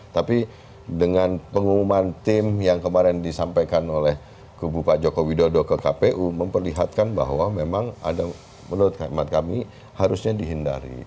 tapi dengan pengumuman tim yang kemarin disampaikan oleh kubu pak jokowi dodo ke kpu memperlihatkan bahwa memang ada menurut kami harusnya dihindari